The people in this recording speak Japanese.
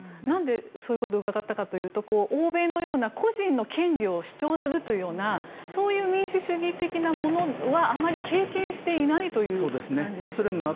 なんでそういうことを伺ったのかというと欧米のような個人の権利を主張するというようなそういう民主主義的なものはあまり経験していないという感じでしょうか？